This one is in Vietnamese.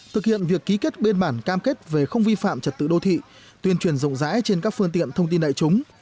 thực hiện việc ký kết biên bản cam kết về không vi phạm trật tự đô thị tuyên truyền rộng rãi trên các phương tiện thông tin đại chúng